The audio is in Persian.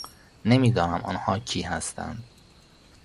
نمیدانم آنها کی هستند.